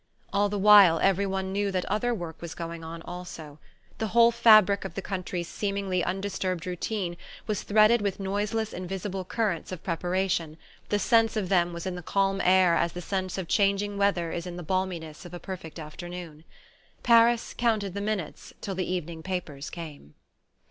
All the while, every one knew that other work was going on also. The whole fabric of the country's seemingly undisturbed routine was threaded with noiseless invisible currents of preparation, the sense of them was in the calm air as the sense of changing weather is in the balminess of a perfect afternoon. Paris counted the minutes till the evening papers came.